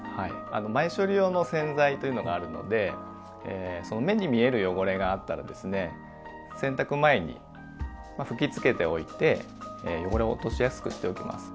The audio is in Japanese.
前処理用の洗剤というのがあるので目に見える汚れがあったら洗濯前に吹きつけておいて汚れを落としやすくしておきます。